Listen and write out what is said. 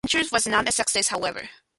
The venture was not a success however.